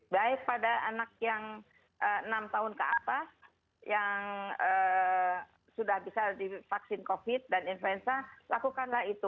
baik pada anak yang enam tahun ke atas yang sudah bisa divaksin covid dan influenza lakukanlah itu